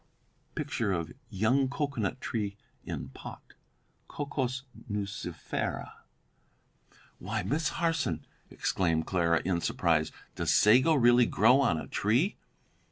[Illustration: YOUNG COCOANUT TREE IN POT (Cocos nucifera).] "Why, Miss Harson!" exclaimed Clara, in surprise; "does sago really grow on a tree?"